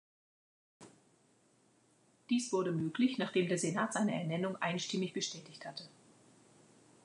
Dies wurde möglich, nachdem der Senat seine Ernennung einstimmig bestätigt hatte.